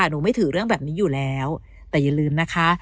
หนูไม่ถือเรื่องแบบนี้อยู่แล้วแต่อย่าลืมนะคะ